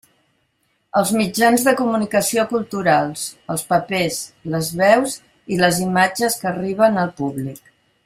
Els mitjans de comunicació culturals: els papers, les veus i les imatges que arriben al públic.